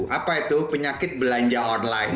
apa itu penyakit belanja online